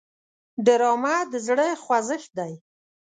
ډرامه د زړه خوځښت دی